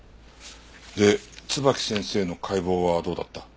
で椿木先生の解剖はどうだった？